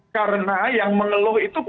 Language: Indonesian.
karena yang mengeluh itu